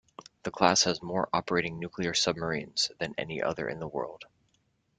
The class has more operating nuclear submarines than any other in the world.